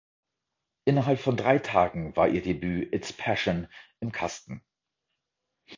Innerhalb von drei Tagen war ihr Debüt "It’s Passion" im Kasten.